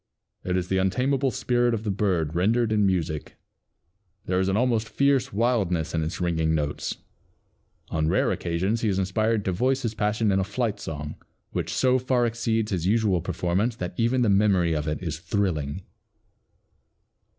It is the untamable spirit of the bird rendered in music. There is an almost fierce wildness in its ringing notes. On rare occasions he is inspired to voice his passion in a flight song, which so far exceeds his usual performance that even the memory of it is thrilling."